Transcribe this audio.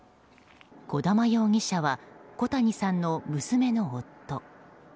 児玉容疑者は小谷さんの娘の夫。